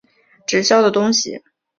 直销的东西